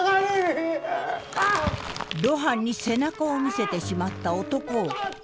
露伴に背中を見せてしまった男を異変が襲う。